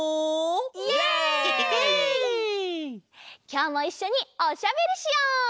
きょうもいっしょにおしゃべりしよう！